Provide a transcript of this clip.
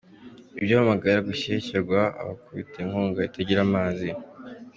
Iyo bamaraga gushyekerwa, yabakubitishaga inkuba itagira amazi.